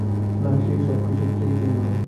না, সে-সব কিছুই তিনি নন।